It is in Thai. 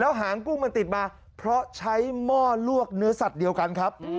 หางกุ้งมันติดมาเพราะใช้หม้อลวกเนื้อสัตว์เดียวกันครับ